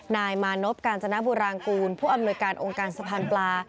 นายมานพกาญจนบุรางกูลผู้อำนวยการองค์การสะพานปลา